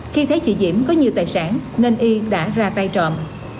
khi thấy chị diễm có nhiều tài sản nên y đã ra tay trộm